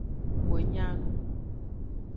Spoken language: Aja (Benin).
Wo nya nu.